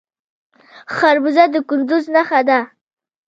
خربوزه د کندز نښه ده.